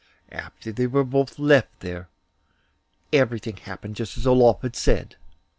After they were both left there everything happened just as Olof had said.